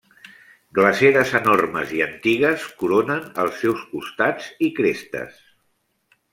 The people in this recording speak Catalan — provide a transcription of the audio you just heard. Glaceres enormes i antigues coronen els seus costats i crestes.